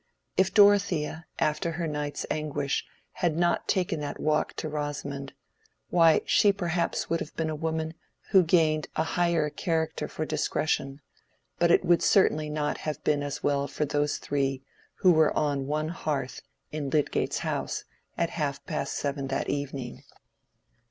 If Dorothea, after her night's anguish, had not taken that walk to Rosamond—why, she perhaps would have been a woman who gained a higher character for discretion, but it would certainly not have been as well for those three who were on one hearth in Lydgate's house at half past seven that evening.